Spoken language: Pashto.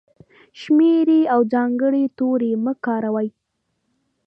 شمېرې او ځانګړي توري مه کاروئ!.